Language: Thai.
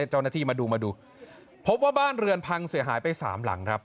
เจ้าหน้าที่มาดูมาดูพบว่าบ้านเรือนพังเสียหายไป๓หลังครับ